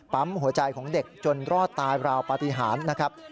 หัวใจของเด็กจนรอดตายราวปฏิหารนะครับ